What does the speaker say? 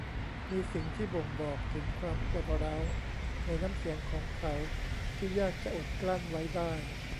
มีสิ่งที่บ่งบอกถึงความปวดร้าวในน้ำเสียงของเขาที่ยากจะอดกลั้นไว้ได้